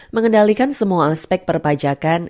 mengendalikan semua aspek perpajakan